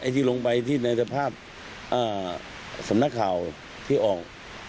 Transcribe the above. ที่ลงไปที่ในสภาพสำนักข่าวที่ออก